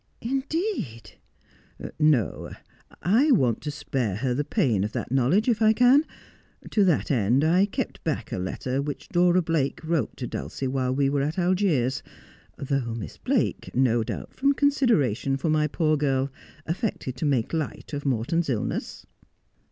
' Indeed !'' No. I want to spare her the pain of that knowledge if I can. To that end I kept back a letter which Dora Blake wrote to Dulcie while we were at Algiers, though Miss Blake, no doubt from consideration for my poor gill, afi'ected to make light of Morton's illness.'